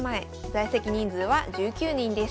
在籍人数は１９人です。